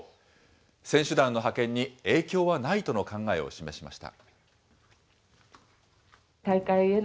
選手団の派遣に影響はないとの考えを示しました。